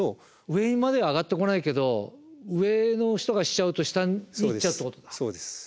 上まで上がってこないけど上の人がしちゃうと下にいっちゃうってことですか。